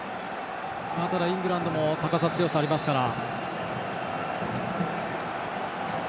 イングランドも高さ強さがありますから。